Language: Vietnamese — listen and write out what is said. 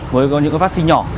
với những cái phát sinh nhỏ